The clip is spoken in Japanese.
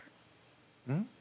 うん？